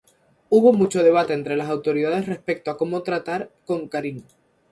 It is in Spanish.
Hubo mucho debate entre las autoridades respecto a cómo tratar con Karin.